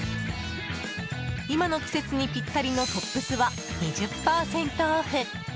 今の季節にぴったりのトップスは２０％オフ。